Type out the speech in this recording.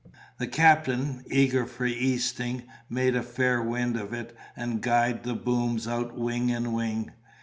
The captain, eager for easting, made a fair wind of it and guyed the booms out wing and wing.